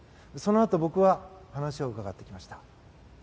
そのあと、僕は話を伺ってきました。